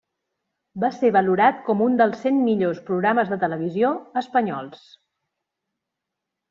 Va ser valorat com un dels cent millors programes de televisió espanyols.